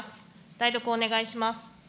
代読をお願いします。